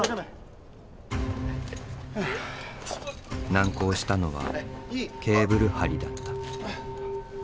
難航したのはケーブル張りだった。